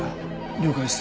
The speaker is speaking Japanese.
了解です。